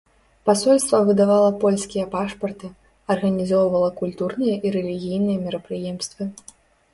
Пасольства выдавала польскія пашпарты, арганізоўвала культурныя і рэлігійныя мерапрыемствы.